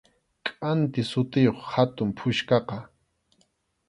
Kʼanti sutiyuq hatun puchkaqa.